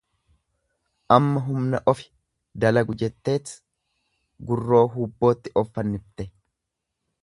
Amma humna ofi dalagu jetteet gurroo hubbootti of fannifte.